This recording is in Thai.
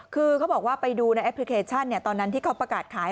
คือเขาบอกว่าไปดูในแอปพลิเคชันตอนนั้นที่เขาประกาศขาย